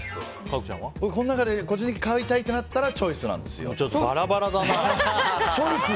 個人的にこの中で買いたいとなったらチョイスなんですよ。